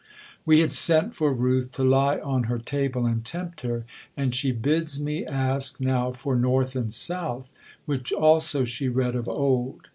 We had sent for Ruth to lie on her table and tempt her, and she bids me ask now for North and South, which also she read of old."